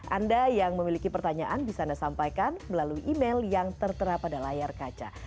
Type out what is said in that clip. anda yang memiliki pertanyaan bisa anda sampaikan melalui email yang tertera pada layar kaca